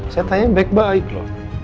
saya tanya baik baik loh